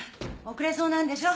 遅れそうなんでしょ？